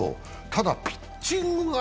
ただピッチングが。